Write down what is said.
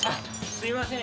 すみません。